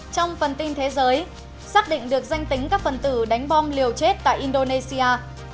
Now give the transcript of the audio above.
trong phần tin thế giới xác định được danh tính các phần tử đánh bom liều chết tại indonesia